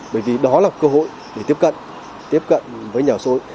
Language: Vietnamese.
bởi vì đó là cơ hội để tiếp cận tiếp cận với nhà sội